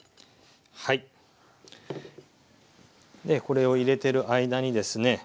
これを入れてる間にですね